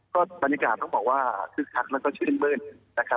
ก็บรรยากาศต้องบอกว่าคึกคักแล้วก็ชื่นมื้นนะครับ